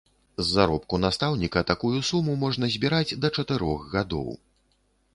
З заробку настаўніка такую суму можна збіраць да чатырох гадоў.